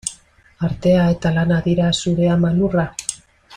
Artea eta lana dira zure ama lurra?